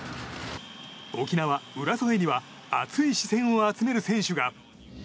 沖縄・浦添には熱い視線を集める選手が。